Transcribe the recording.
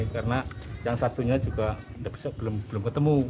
karena yang satunya juga belum ketemu